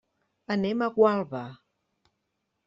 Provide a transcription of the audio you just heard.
Anem a Gualba.